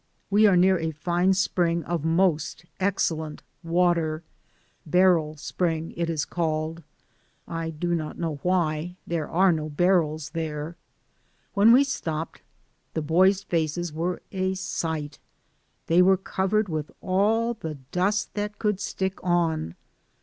We are near a fine spring of most excellent water — Barrel Spring it is called. I do not know why; there are no barrels there. When we stopped, the boys' faces were a sight ; they were covered with all the dust that could stick on.